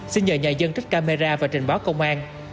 xin nhờ nhà dân trích camera và trình báo công an